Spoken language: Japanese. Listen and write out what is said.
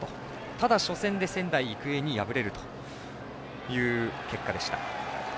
ただ、初戦で仙台育英に敗れるという結果でした。